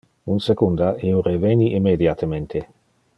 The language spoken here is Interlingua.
Un secunda, io reveni immediatemente.